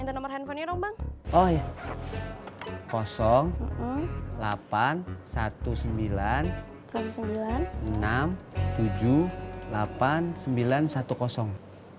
ineng ga pakai nyambung nyambungi ais bang